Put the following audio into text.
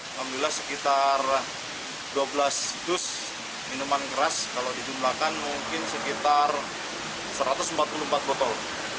alhamdulillah sekitar dua belas situs minuman keras kalau dijumlahkan mungkin sekitar satu ratus empat puluh empat botol